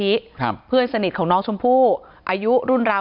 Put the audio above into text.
ที่มีข่าวเรื่องน้องหายตัว